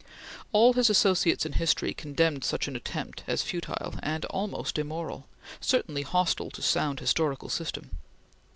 All his associates in history condemned such an attempt as futile and almost immoral certainly hostile to sound historical system.